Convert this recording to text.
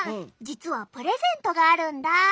実はプレゼントがあるんだ。